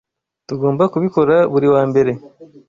Tugomba kubikora buri wa mbere.